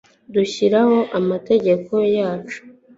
Dushiraho amategeko yacu